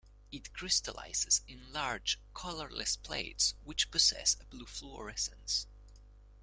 It crystallizes in large colorless plates which possess a blue fluorescence.